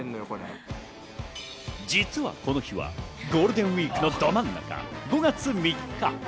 実はこの日はゴールデンウイークのど真ん中、５月３日。